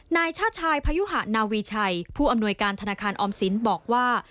นายชาติชายพยุหะนาวีชัยผู้อำนวยการธนาคารออมสินบอกว่า